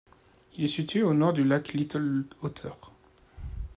Il est situé au nord du Lac Little Otter.